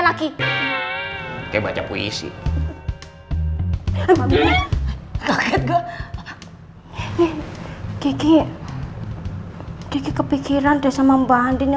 lagi kita baca puisi harganya ngobrolnya karek ngetik tipik piramida sink labels yang